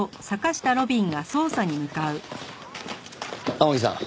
天樹さん